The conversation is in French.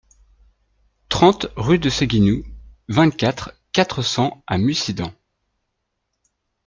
trente rue de Séguinou, vingt-quatre, quatre cents à Mussidan